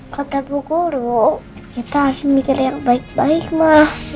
kata bu guru kita harus mikir yang baik baik mah